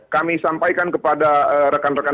kami sampaikan kepada rekan rekan